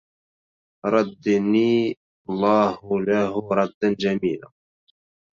ردني الله له ردا جميلا